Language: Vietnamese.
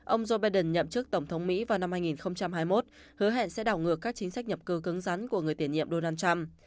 ông joe biden nhậm chức tổng thống mỹ vào năm hai nghìn hai mươi một hứa hẹn sẽ đảo ngược các chính sách nhập cư cứng rắn của người tiền nhiệm donald trump